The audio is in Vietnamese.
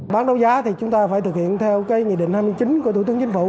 bán đấu giá thì chúng ta phải thực hiện theo cái nghị định hai mươi chín của thủ tướng chính phủ